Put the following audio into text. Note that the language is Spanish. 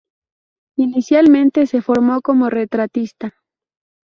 Inicialmente se formó como retratista.